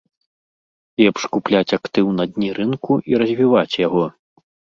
Лепш купляць актыў на дне рынку і развіваць яго.